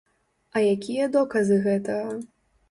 А якія доказы гэтага?